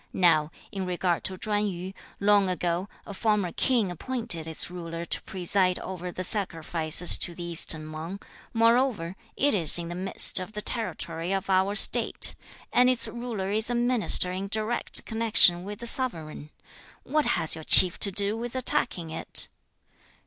4. 'Now, in regard to Chwan yu, long ago, a former king appointed its ruler to preside over the sacrifices to the eastern Mang; moreover, it is in the midst of the territory of our State; and its ruler is a minister in direct connexion with the sovereign: What has your chief to do with attacking it?'